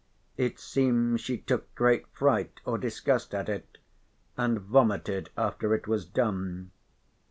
It seems she took great fright or disgust at it, and vomited after it was done.